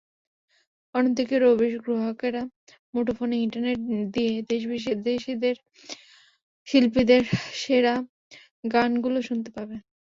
অন্যদিকে রবির গ্রাহকেরা মুঠোফোন ইন্টারনেট দিয়ে দেশি-বিদেশি শিল্পীদের সেরা গানগুলো শুনতে পাবেন।